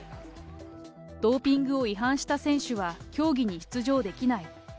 ドーピングを違反した選手は競技に出場できない。